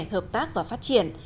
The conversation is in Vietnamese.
hợp tác và phát triển